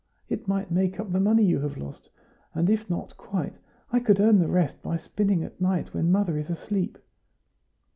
It might make up the money you have lost; and if not quite, I could earn the rest by spinning at night when mother is asleep."